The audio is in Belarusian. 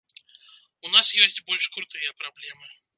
У нас ёсць больш крутыя праблемы.